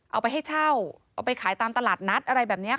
เอาไปให้เช่าเอาไปขายตามตลาดนัดอะไรแบบนี้